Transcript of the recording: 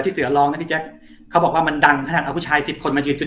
เสือรองนะพี่แจ๊คเขาบอกว่ามันดังขนาดเอาผู้ชายสิบคนมายืนจุด